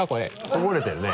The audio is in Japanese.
こぼれてるね。